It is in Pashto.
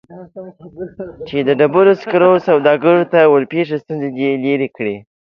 چې د ډبرو سکرو سوداګرو ته ورپېښې ستونزې دې لیرې کړي